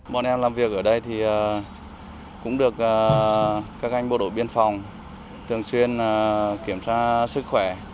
bọn em làm việc ở đây thì cũng được các anh bộ đội biên phòng thường xuyên kiểm tra sức khỏe